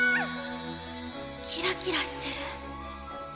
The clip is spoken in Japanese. キラキラしてる。